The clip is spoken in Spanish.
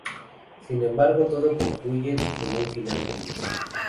Sin embargo todo concluye con un final feliz.